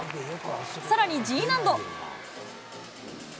さらにＧ難度。